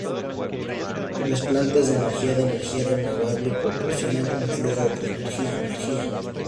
Las plantas de energía de energía renovable proporcionan un flujo constante de energía.